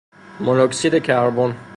منوکسید کربن